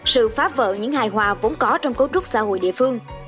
sự phá vỡ những hài hòa vốn có trong cấu trúc xã hội địa phương